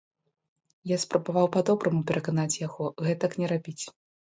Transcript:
Я спрабаваў па-добраму пераканаць яго гэтак не рабіць.